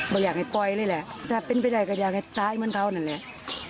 ก็อยากให้ปล่อยเลยแหละถ้าเป็นไปได้ก็อยากให้ตายเหมือนเขานั่นแหละ